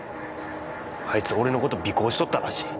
あいつ俺の事尾行しとったらしい。